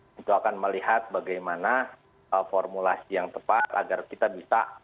tentu akan melihat bagaimana formulasi yang tepat agar kita bisa